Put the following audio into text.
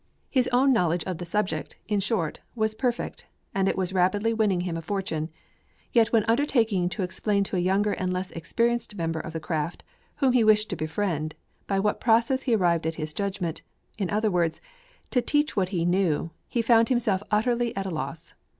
His own knowledge of the subject, in short, was perfect, and it was rapidly winning him a fortune. Yet when undertaking to explain to a younger and less experienced member of the craft, whom he wished to befriend, by what process he arrived at his judgment, in other words, to teach what he knew, he found himself utterly at a loss.